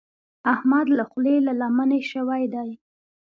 احمد له خولې له لمنې شوی دی.